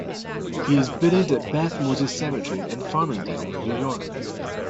He is buried at Beth Moses Cemetery in Farmingdale, New York.